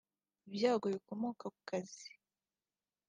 ibyago bikomoka ku kazi